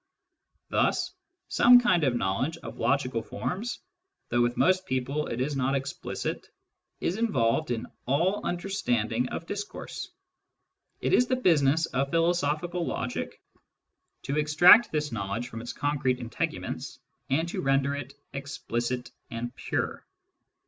Thus some kind of knowledge of logical forms, though with most people it is not explicit, is involved in all under standing of discourse. It is the business of philosophical logic to extract this knowledge from its concrete integu ments, and to render it explicit and pure.